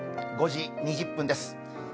５時２０分です。